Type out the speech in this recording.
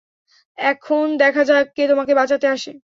এখন দেখা যাক কে তোমাকে বাঁচাতে আসে।